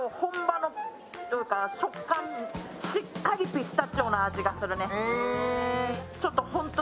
でも、しっかりピスタチオの味がするね。